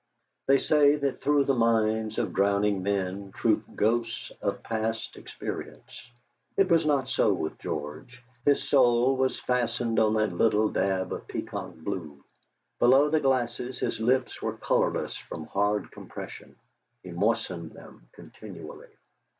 They say that through the minds of drowning men troop ghosts of past experience. It was not so with George; his soul was fastened on that little daub of peacock blue. Below the glasses his lips were colourless from hard compression; he moistened them continually.